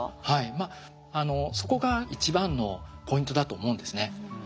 はいそこが一番のポイントだと思うんですね。